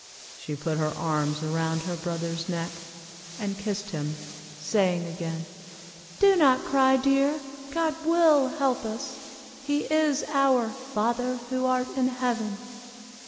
'" She put her arms around her brother's neck, and kissed him, saying again, "Do not cry, dear, God will help us, he is our 'Father who art in heaven.